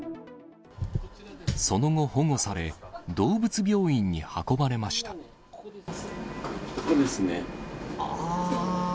その後、保護され、ここですね。